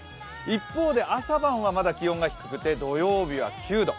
一方で朝晩はまだ気温が低くて土曜日は９度。